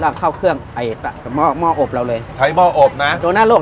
แล้วเข้าเครื่องไอ้ม่อม่ออบเราเลยใช้ม่ออบน่ะดูน่ะลูก